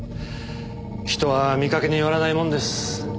人は見かけによらないもんです。